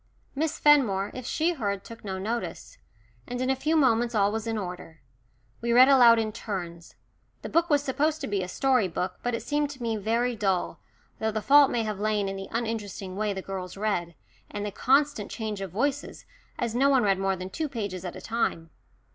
Miss Fenmore, if she heard, took no notice. And in a few moments all was in order. We read aloud in turns the book was supposed to be a story book, but it seemed to me very dull, though the fault may have lain in the uninteresting way the girls read, and the constant change of voices, as no one read more than two pages at a time.